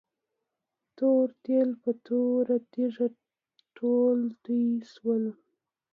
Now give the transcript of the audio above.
تور تیل په توره تيږه ټول توي شول.